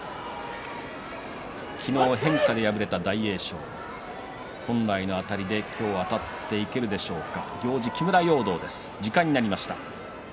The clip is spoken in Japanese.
昨日、変化で敗れた大栄翔本来のあたりで今日もあたっていけるでしょうか。